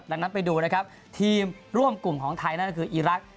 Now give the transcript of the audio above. ดังนั้นไปดูนะครับทีมร่วมกลุ่มของไทยนั่นก็คืออีรักษ